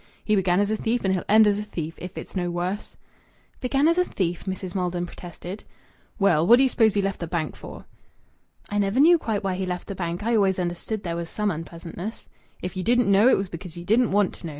"He began as a thief and he'll end as a thief, if it's no worse." "Began as a thief?" Mrs. Maldon protested. "Well, what d'ye suppose he left the bank for?" "I never knew quite why he left the bank. I always understood there was some unpleasantness." "If ye didn't know, it was because ye didn't want to know.